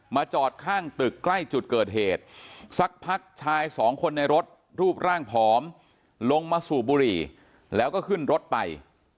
จอดข้างตึกใกล้จุดเกิดเหตุสักพักชายสองคนในรถรูปร่างผอมลงมาสูบบุหรี่แล้วก็ขึ้นรถไป